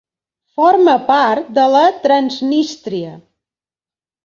Forma part de la Transnístria.